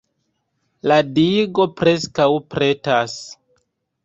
La digo preskaŭ pretas.